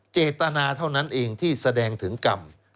เจตนาเท่านั้นเองที่แสดงถึงกรรม